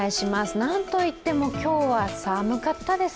何と言っても今日は寒かったです。